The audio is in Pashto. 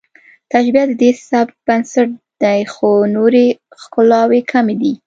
تشبیه د دې سبک بنسټ دی خو نورې ښکلاوې کمې دي